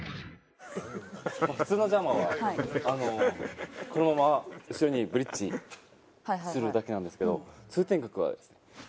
普通のジャーマンはこのまま後ろにブリッジするだけなんですけど。